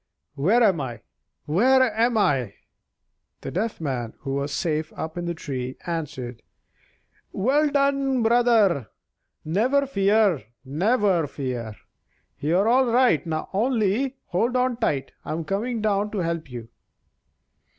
Where am I? Where am I?" The Deaf Man (who was safe up in the tree) answered: "Well done, brother! never fear! never fear! You're all right, only hold on tight. I'm coming down to help you."